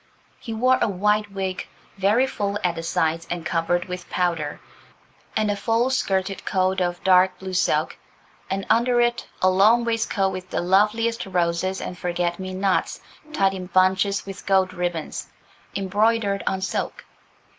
He wore a white wig, very full at the sides and covered with powder, and a full skirted coat of dark blue silk, and under it a long waistcoat with the loveliest roses and forget me nots tied in bunches with gold ribbons, embroidered on silk.